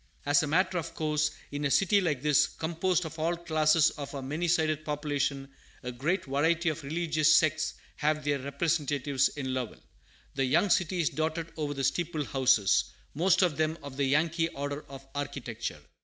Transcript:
As a matter of course, in a city like this, composed of all classes of our many sided population, a great variety of religious sects have their representatives in Lowell. The young city is dotted over with "steeple houses," most of them of the Yankee order of architecture.